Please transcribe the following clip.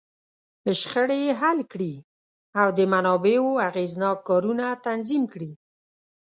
شخړې حل کړي، او د منابعو اغېزناک کارونه تنظیم کړي.